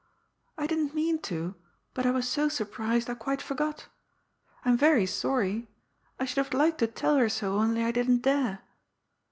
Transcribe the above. I didn't mean to, but I was so surprised, I quite forgot. I'm very sorry. I should have liked to tell her so, only I didn't dare."